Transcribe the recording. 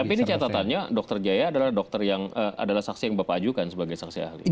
tapi ini catatannya dr jaya adalah saksi yang bapak ajukan sebagai saksi ahli